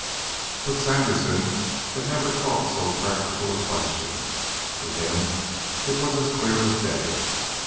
But Sandersen never thought of so practical a question. To him it was as clear as day.